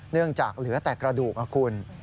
เนื่องจากเหลือแต่กระดูกนะคุณ